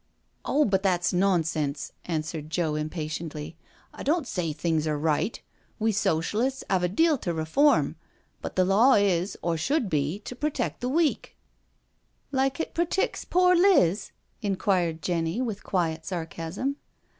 "Oh, but that's nonsense," answered Joe impatiently. " I don't say things are right. We Socialists 'ave a deal to reform; but the law is, or should be, to protect the weak/' " Like it preticks pore Liz?" inquired Jenny, with quiet sarcasm.